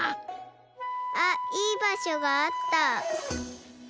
あっいいばしょがあった。